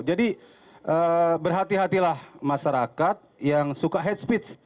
jadi berhati hatilah masyarakat yang suka hate speech